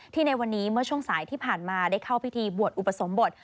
ในวันนี้เมื่อช่วงสายที่ผ่านมาได้เข้าพิธีบวชอุปสมบท